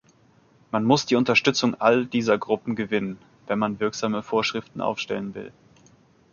Man muss die Unterstützung all dieser Gruppen gewinnen, wenn man wirksame Vorschriften aufstellen will.